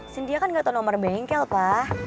sintia kan nggak tahu nomor bengkel pa